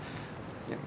いや。